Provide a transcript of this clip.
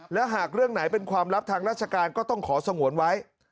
และหากเรื่องไหนเป็นความลับทางราชการก็ต้องขอสงวนไว้